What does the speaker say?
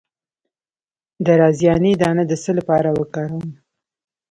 د رازیانې دانه د څه لپاره وکاروم؟